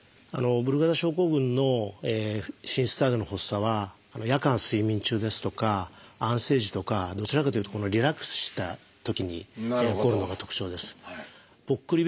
ブルガダ症候群の心室細動の発作は夜間睡眠中ですとか安静時とかどちらかというとリラックスしたときに起こるのが特徴です。